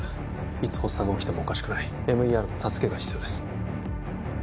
いつ発作が起きてもおかしくないＭＥＲの助けが必要です